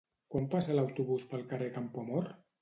Quan passa l'autobús pel carrer Campoamor?